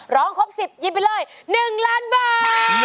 ร้องครบ๑๐ยิมไปเลย๑ล้านบาท